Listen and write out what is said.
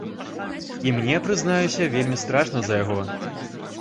І мне прызнаюся вельмі страшна за яго.